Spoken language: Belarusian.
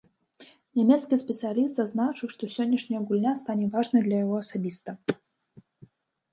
Нямецкі спецыяліст зазначыў, што сённяшняя гульня стане важнай для яго асабіста.